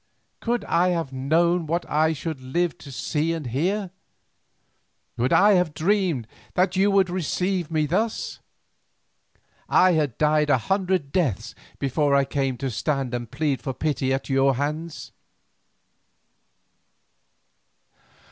Could I have known what I should live to see and hear, could I have dreamed that you would receive us thus, I had died a hundred deaths before I came to stand and plead for pity at your hands.